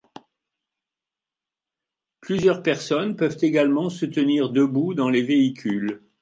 Plusieurs personnes peuvent également se tenir debout dans les véhicules.